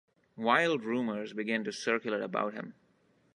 Wild rumors begin to circulate about him.